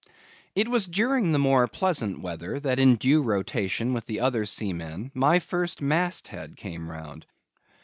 It was during the more pleasant weather, that in due rotation with the other seamen my first mast head came round.